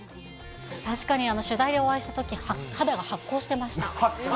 確かに取材でお会いしたとき、発光してた？